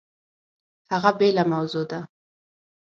هغه بېله موضوع ده!